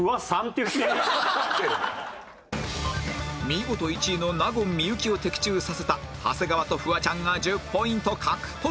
見事１位の納言幸を的中させた長谷川とフワちゃんが１０ポイント獲得